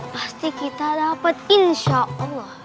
pasti kita dapat insya allah